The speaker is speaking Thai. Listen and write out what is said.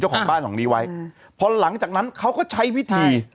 ของบ้านหลังนี้ไว้พอหลังจากนั้นเขาก็ใช้วิธี